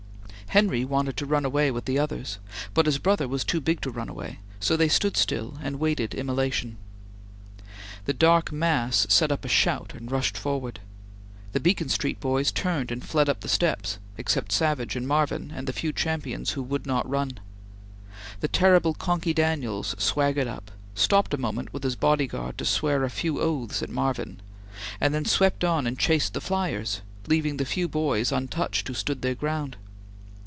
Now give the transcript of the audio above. Henry wanted to run away with the others, but his brother was too big to run away, so they stood still and waited immolation. The dark mass set up a shout, and rushed forward. The Beacon Street boys turned and fled up the steps, except Savage and Marvin and the few champions who would not run. The terrible Conky Daniels swaggered up, stopped a moment with his body guard to swear a few oaths at Marvin, and then swept on and chased the flyers, leaving the few boys untouched who stood their ground.